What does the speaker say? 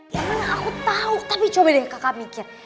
ya aku tau tapi coba deh kakak mikir